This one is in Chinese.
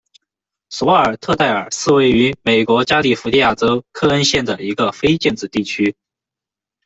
索尔特代尔是位于美国加利福尼亚州克恩县的一个非建制地区。